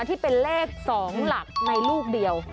ที่เป็นเลข๒หลักในลูกเดียว